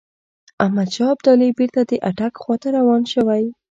احمدشاه ابدالي بیرته د اټک خواته روان شوی.